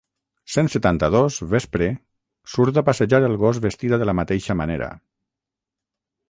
Cent setanta-dos vespre surt a passejar el gos vestida de la mateixa manera.